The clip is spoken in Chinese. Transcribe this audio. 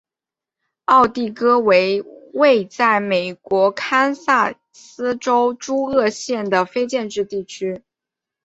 奥蒂戈为位在美国堪萨斯州朱厄尔县的非建制地区。